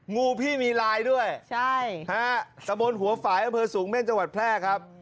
งูพี่มีลายด้วยใช่ฮะตะบนหัวฝ่ายอำเภอสูงเม่นจังหวัดแพร่ครับ